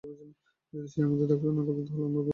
যদি সে আমাদের দেখাশোনা না করত, তাহলে আমরা ঘুড়ে বেড়াতাম।